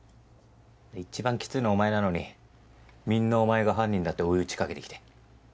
一番きついのお前なのにみんなお前が犯人だって追い打ちかけて来て。